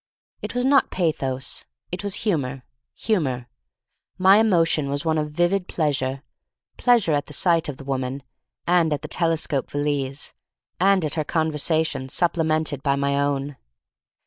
It was not pathos. It was humor — humor. My emotion was one of vivid pleasure — pleasure at the sight of the woman, and at the telescope valise, and at her conversation supplemented by my own.